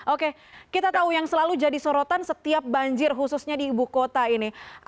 oke kita tahu yang selalu jadi sorotan setiap banjir khususnya di ibu kota ini